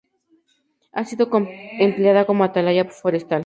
Ha sido empleada como atalaya forestal.